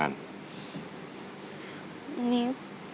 อันนี้